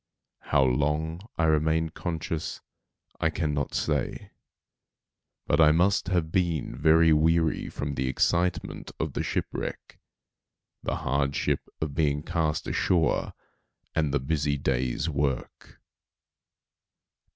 How long I remained conscious I cannot say; but I must have been very weary from the excitement of the ship wreck, the hardship of being cast ashore and the busy day's work.